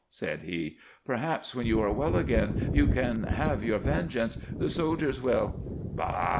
said he. "Perhaps when you are well again you can have your vengeance. The soldiers will " "Bah!